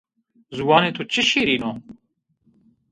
Ziwanê to çi şîrin o